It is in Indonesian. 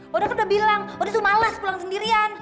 lo kan udah bilang lo tuh males pulang sendirian